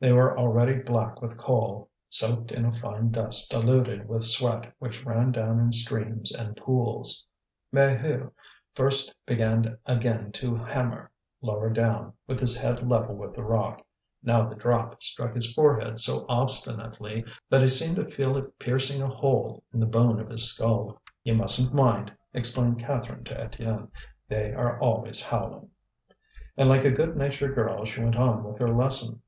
They were already black with coal, soaked in a fine dust diluted with sweat which ran down in streams and pools. Maheu first began again to hammer, lower down, with his head level with the rock. Now the drop struck his forehead so obstinately that he seemed to feel it piercing a hole in the bone of his skull. "You mustn't mind," explained Catherine to Étienne, "they are always howling." And like a good natured girl she went on with her lesson.